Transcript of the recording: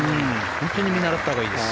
本当に見習ったほうがいいです。